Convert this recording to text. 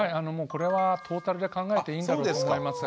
これはトータルで考えていいんだろうと思います。